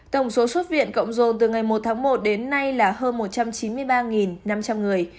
tổng số xuất viện cộng dồn từ ngày một tháng một đến nay là hơn một trăm chín mươi ba năm trăm linh người